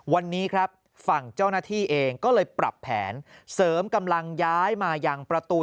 วันนี้ครับฝั่งเจ้าหน้าที่เองก็เลยปรับแผนเสริมกำลังย้ายมายังประตู